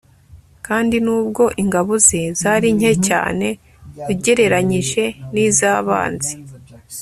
Kandi nubwo ingabo ze zari nke cyane ugereranyije nizabanzi